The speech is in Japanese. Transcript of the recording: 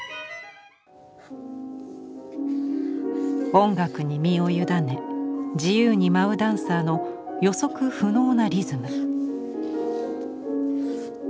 音楽に身を委ね自由に舞うダンサーの予測不能なリズム。